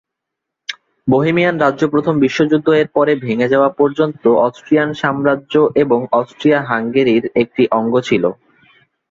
Bohemian রাজ্য প্রথম বিশ্বযুদ্ধ এর পরে ভেঙে যাওয়া পর্যন্ত অস্ট্রিয়ান সাম্রাজ্য এবং অস্ট্রিয়া-হাঙ্গেরি-র একটি অঙ্গ ছিল।